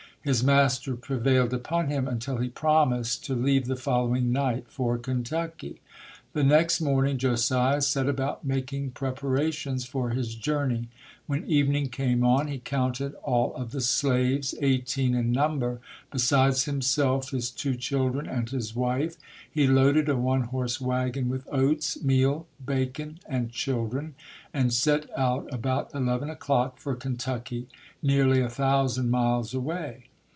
His master prevailed upon him until he promised to leave the following night for Kentucky. The next morning Josiah set about making preparations for his journey. When evening came on he counted all of the slaves eighteen in number, besides himself, his two children and his wife, He loaded a one horse wagon with oats, meal, bacon and children, and set out about eleven o'clock for Kentucky, nearly a thousand miles away.